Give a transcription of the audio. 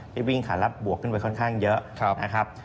วิ่งขารับบวกขึ้นไปค่อนข้างเยอะนะครับ